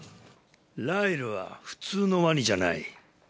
ライルは普通のワニじゃない。